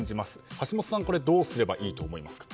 橋下さん、どうすればいいと思いますか？